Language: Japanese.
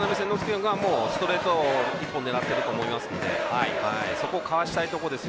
君がストレート１本狙ってると思いますのでそこをかわしたいところです